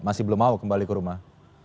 masih belum mau kembali ke rumah